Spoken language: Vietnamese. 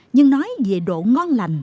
nhưng nói về độ ngon lành